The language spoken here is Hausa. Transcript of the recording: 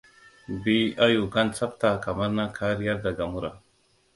Bi ayyukan tsafta kamar na kariyar daga mura.